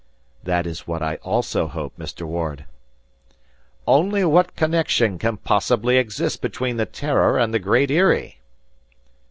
"That is what I also hope, Mr. Ward." "Only what connection can possibly exist between the 'Terror' and the Great Eyrie?"